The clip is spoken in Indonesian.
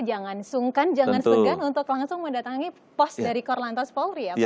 jangan sungkan jangan segan untuk langsung mendatangi pos dari korlantas polri ya pak